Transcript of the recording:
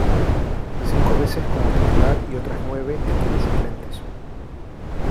Cinco veces como Titular y otras nueve entre los suplentes.